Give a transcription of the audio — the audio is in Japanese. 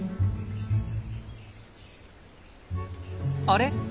あれ？